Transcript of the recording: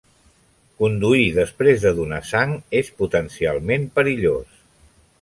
Conduir després de donar sang és potencialment perillós.